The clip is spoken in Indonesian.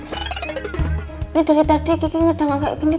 ini dari tadi kiki ngedang kayak gini